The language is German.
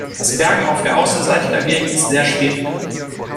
Das Bergen auf der Außenseite dagegen ist sehr schwierig.